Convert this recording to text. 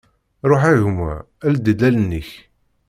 Ruḥ a gma ldi-d allen-ik.